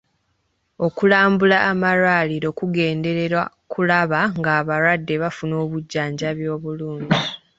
Okulambula amalwaliro kugenderera kulaba ng'abalwadde bafuna obujjanjabi obulungi.